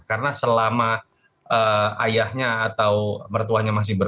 karena selama ayahnya atau mertuanya masih berada